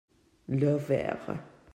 leur verre.